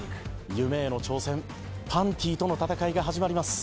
夢への挑戦パンティとの戦いが始まります。